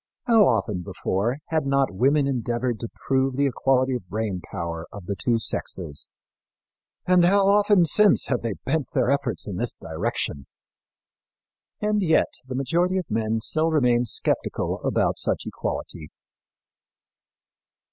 " How often before had not women endeavored to prove the equality of brain power of the two sexes, and how often since have they bent their efforts in this direction! And yet the majority of men still remain skeptical about such equality.